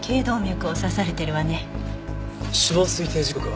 死亡推定時刻は？